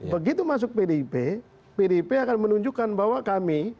begitu masuk pdip pdip akan menunjukkan bahwa kami